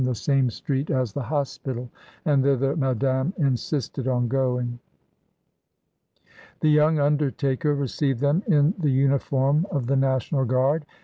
1 85 the same street as the hospital, and thither Madame insisted on going. The young undertaker received them in the imi form of the National Guard.